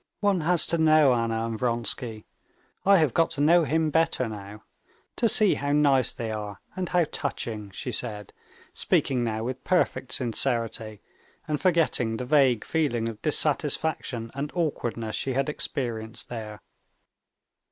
"One has to know Anna and Vronsky—I have got to know him better now—to see how nice they are, and how touching," she said, speaking now with perfect sincerity, and forgetting the vague feeling of dissatisfaction and awkwardness she had experienced there.